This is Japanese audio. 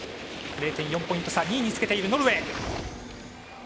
０．４ポイント差２位につけているノルウェー。